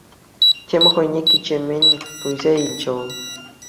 Тем хӑйне кичеммӗн туйса илчӗ вӑл.